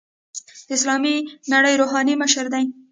د اسلامي نړۍ روحاني مشر دی.